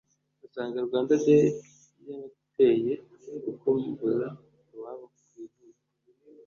usanga Rwanda Day yabateye gukumbura iwabo ku ivuko